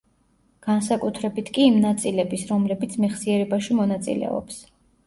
განსაკუთრებით კი იმ ნაწილების, რომლებიც მეხსიერებაში მონაწილეობს.